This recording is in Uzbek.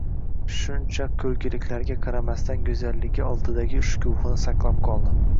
Shuncha ko`rgiliklariga qaramasdan go`zalligi oldingi shukuhini saqlab qoldi